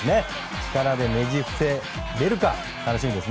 力でねじ伏せられるか楽しみです。